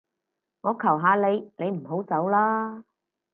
我求下你，你唔好走啦